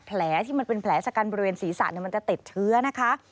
แผลที่มันเป็นแผลจากการบริเวณศรีษะเนี่ยมันจะเต็ดเทือนะคะ